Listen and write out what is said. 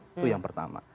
itu yang pertama